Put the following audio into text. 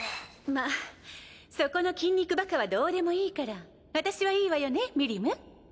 まぁそこの筋肉バカはどうでもいいから私はいいわよねミリム？